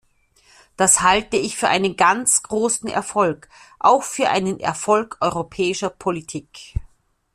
Das halte ich für einen ganz großen Erfolg, auch für einen Erfolg europäischer Politik.